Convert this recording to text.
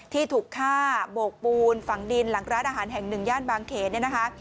ที่ถูกฆ่าโบกปูนฝังดินหลังร้านอาหารแห่งหนึ่งญาติบางเขต